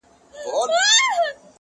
د شهیدانو د قبرونو کوي،